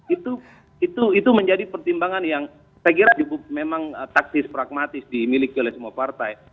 itu itu itu menjadi pertimbangan yang saya kira juga memang taksis pragmatis dimiliki oleh semua partai